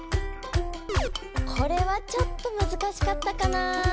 これはちょっとむずかしかったかな。